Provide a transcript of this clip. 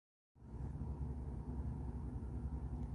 كان لا بد من الريح